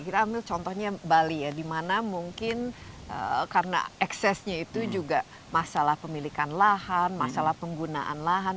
kita ambil contohnya bali ya dimana mungkin karena eksesnya itu juga masalah pemilikan lahan masalah penggunaan lahan